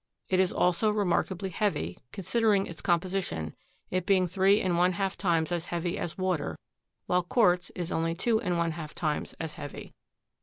It is also remarkably heavy, considering its composition, it being three and one half times as heavy as water, while quartz is only two and one half times as heavy.